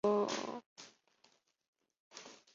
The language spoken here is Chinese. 乐景涛生于清朝光绪十年。